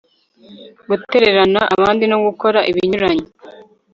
gutererana abandi no gukora ibinyuranye